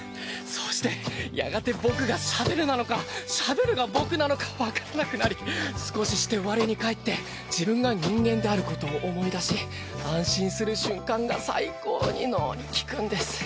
そうしてやがて僕がシャベルなのかシャベルが僕なのか分からなくなり少しして我に返って自分が人間であることを思い出し安心する瞬間が最高に脳に効くんです。